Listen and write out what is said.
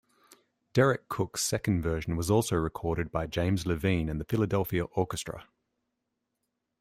Deryck Cooke's second version was also recorded by James Levine and the Philadelphia Orchestra.